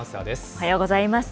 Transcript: おはようございます。